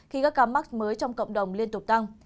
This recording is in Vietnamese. khi các ca mắc mới trong cộng đồng liên tục tăng